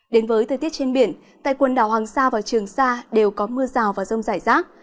đến với thời tiết trên biển tại quần đảo hoàng sa và trường sa đều có mưa rào và rông rải rác